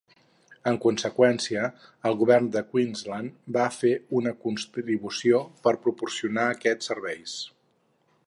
En conseqüència, el Govern de Queensland va fer una contribució per proporcionar aquests serveis.